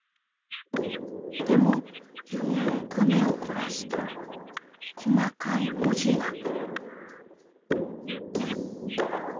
でもよく目を凝らすと細かい文字が。